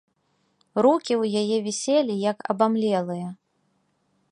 Рукі ў яе віселі, як абамлелыя.